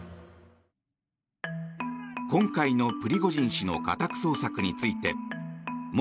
今回のプリゴジン氏の家宅捜索について元